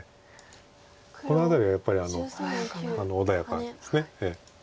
この辺りがやっぱり穏やかです。